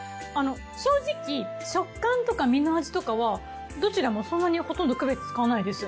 正直食感とか身の味とかはどちらもそんなにほとんど区別つかないです。